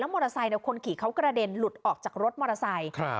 มอเตอร์ไซค์คนขี่เขากระเด็นหลุดออกจากรถมอเตอร์ไซค์